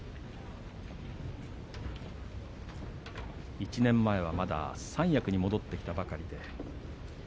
１年前はまだ三役に戻ってきたばかりでした。